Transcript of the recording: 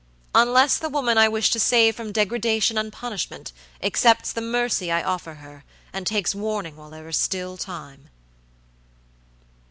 "Unless the woman I wish to save from degradation and punishment accepts the mercy I offer her, and takes warning while there is still time."